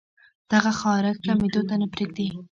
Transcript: دغه خارښ کمېدو ته نۀ پرېږدي